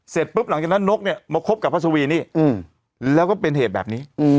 เสร็จปุ๊บหลังจากนั้นนกเนี่ยมาคบกับพระสวีนี่แล้วก็เป็นเหตุแบบนี้